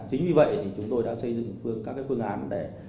chính vì vậy chúng tôi đã xây dựng các phương án để